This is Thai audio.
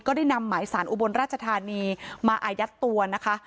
ได้นำหมายสารอุบลราชธานีมาอายัดตัวนะคะ